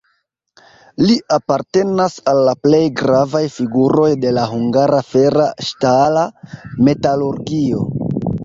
Li apartenas al la plej gravaj figuroj de la hungara fera-ŝtala metalurgio.